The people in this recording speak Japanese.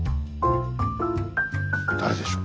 誰でしょ？